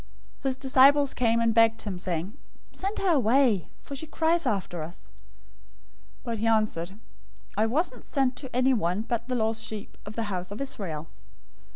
His disciples came and begged him, saying, "Send her away; for she cries after us." 015:024 But he answered, "I wasn't sent to anyone but the lost sheep of the house of Israel."